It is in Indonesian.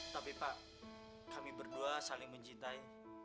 tapi pak kami berdua saling mencintai